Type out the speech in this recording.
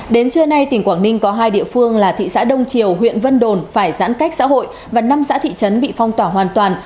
đến trưa nay tỉnh quảng ninh có hai địa phương là thị xã đông triều huyện vân đồn phải giãn cách xã hội và năm xã thị trấn bị phong tỏa hoàn toàn